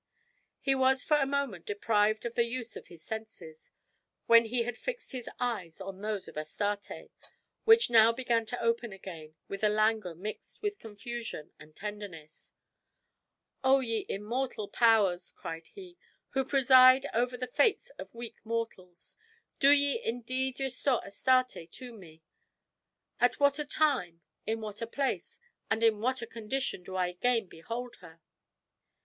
He was for a moment deprived of the use of his senses, when he had fixed his eyes on those of Astarte, which now began to open again with a languor mixed with confusion and tenderness: "O ye immortal powers!" cried he, "who preside over the fates of weak mortals, do ye indeed restore Astarte to me! at what a time, in what a place, and in what a condition do I again behold her!"